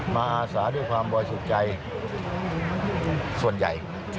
มาอาสาด้วยความบ่อยสุขใจส่วนใหญ่